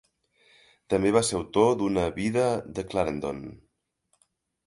També va ser autor d'una "Vida de Clarendon".